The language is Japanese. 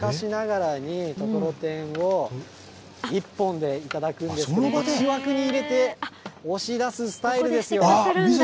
こうして昔ながらに、ところてんを１本で頂くんですけど、木枠に入れて押し出すスタイルですよ。